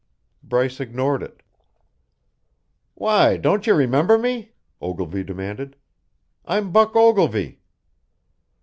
Bryce ignored it. "Why, don't you remember me?" Ogilvy demanded. "I'm Buck Ogilvy."